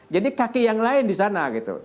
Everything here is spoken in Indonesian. jadi kaki yang lain di sana gitu